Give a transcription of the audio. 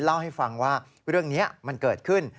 เล่าให้ฟังว่าเรื่องนี้มันเกิดขึ้น